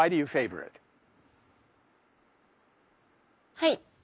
はい。